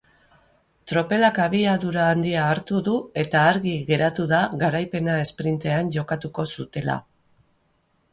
Tropelak abiadura handia hartu du eta argi egratu da garaipena esprintean jokatuko zutela.